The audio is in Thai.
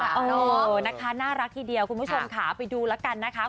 ขนาดน่ารักทีเดียวคุณผู้ชมขาไปดูหละกันนะคะ